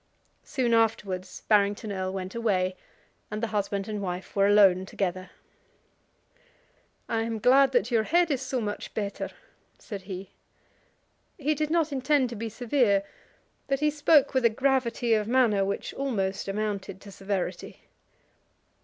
Soon afterwards Barrington Erle went away, and the husband and wife were alone together. "I am glad that your head is so much better," said he. He did not intend to be severe, but he spoke with a gravity of manner which almost amounted to severity.